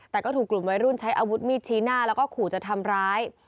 แต่ก็ถูกกลุ่มวัยรุ่นใช้อาวุธมีดชี้หน้าแล้วก็ขู่จะทำร้าย